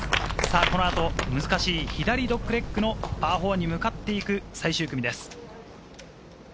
このあと難しい左ドッグレッグのパー４に向かっていく最終組です。